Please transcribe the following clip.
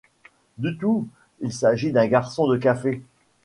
Du tout : il s’agit d’un garçon de café.